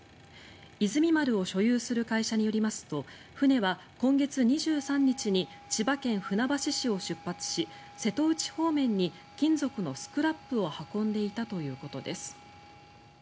「いずみ丸」を所有する会社によりますと船は今月２３日に千葉県船橋市を出発し瀬戸内方面に金属のスクラップを運んでいたということです。